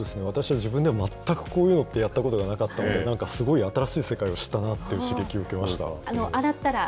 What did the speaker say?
私は自分でも全くこういうのって、やったことがなかったので、なんかすごい、新しい世界を知ったなっていう刺激を受けました。